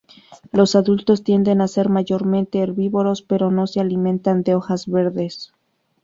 Los adultos tienden a ser mayormente herbívoros, pero no se alimentan de hojas verdes.